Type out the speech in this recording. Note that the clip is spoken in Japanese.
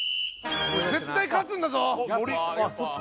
絶対勝つんだぞあっ